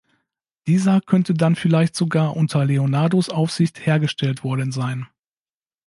Dieser könnte dann vielleicht sogar unter Leonardos Aufsicht hergestellt worden sein.